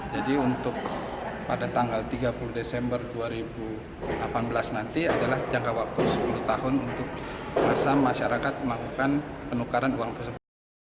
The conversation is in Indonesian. jadi untuk pada tanggal tiga puluh desember dua ribu delapan belas nanti adalah jangka waktu sepuluh tahun untuk masa masyarakat melakukan penukaran uang tersebut